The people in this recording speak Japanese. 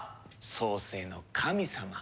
創世の神様。